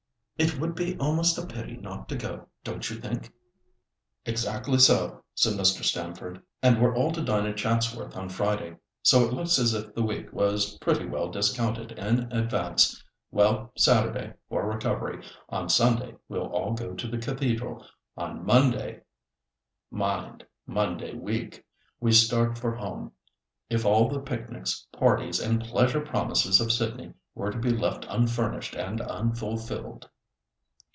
It would be almost a pity not to go, don't you think?" "Exactly so," said Mr. Stamford; "and we're all to dine at Chatsworth on Friday, so it looks as if the week was pretty well discounted in advance. Well, Saturday for recovery, on Sunday we'll all go to the Cathedral, on Monday—mind, Monday week—we start for home, if all the picnics, parties, and pleasure promises of Sydney were to be left unfurnished and unfulfilled."